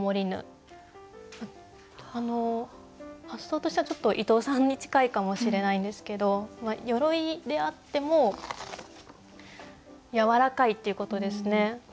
発想としてはちょっと伊藤さんに近いかもしれないんですけど鎧であってもやわらかいっていうことですね。